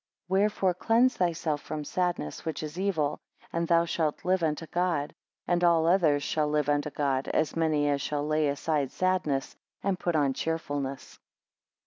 23 Wherefore cleanse thyself from sadness, which is evil, and thou shalt live unto God. And all others shall live unto God, as many as shall lay aside sadness, and put on cheerfulness.